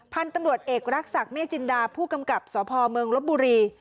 พันธุ์ตำรวจเอกรักษักเมฆจินดาผู้กำกับสพเมืองลบบุรี